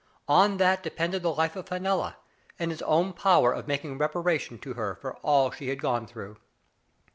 On that depended the life of Fenella, and his own power of making reparation to her for all she had gone through.